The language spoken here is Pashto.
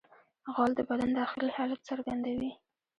غول د بدن داخلي حالت څرګندوي.